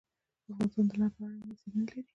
افغانستان د لعل په اړه علمي څېړنې لري.